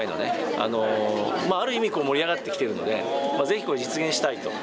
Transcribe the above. あのある意味盛り上がってきてるのでぜひこれ実現したいと。